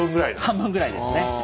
半分ぐらいですね。